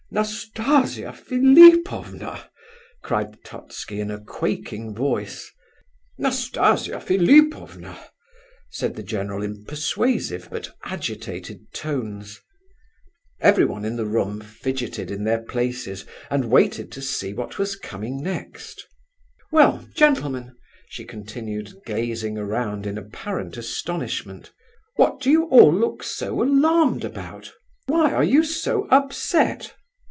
"Nastasia Philipovna!" cried Totski, in a quaking voice. "Nastasia Philipovna!" said the general, in persuasive but agitated tones. Everyone in the room fidgeted in their places, and waited to see what was coming next. "Well, gentlemen!" she continued, gazing around in apparent astonishment; "what do you all look so alarmed about? Why are you so upset?"